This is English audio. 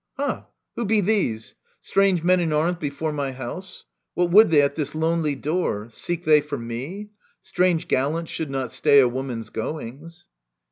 Ha, who be these ? Strange men in arms before My house ! What would they at this lonely door ? Seek they for me ?— Strange gallants should not stay A woman's goings.